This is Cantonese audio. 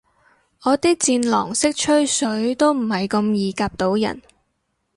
我啲戰狼式吹水都唔係咁易夾到人